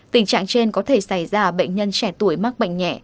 tình trạng trên có thể xảy ra ở bệnh nhân trẻ tuổi mắc bệnh nhẹ